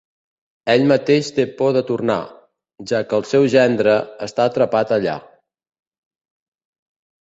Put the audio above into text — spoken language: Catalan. Ell mateix té por de tornar, ja que el seu gendre està atrapat allà.